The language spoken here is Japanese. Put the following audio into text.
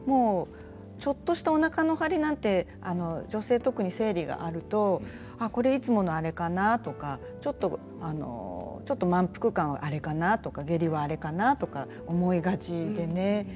ちょっとしたおなかの張りなんて女性は特に生理があるとこれはいつものあれかな？とかちょっと満腹感があれかなとか下痢はあれかなと思いがちでね。